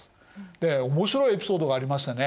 で面白いエピソードがありましてね